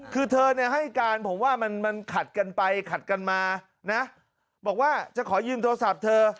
คือเธอเนี่ยให้การผมว่ามันขัดกันไปขัดกันมานะบอกว่าจะขอยืมโทรศัพท์เธอ